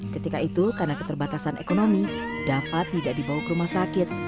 ketika itu karena keterbatasan ekonomi dafa tidak dibawa ke rumah sakit